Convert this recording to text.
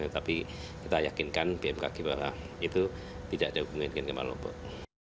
tapi kita yakinkan bmkg bahwa itu tidak ada hubungan dengan gempa lombok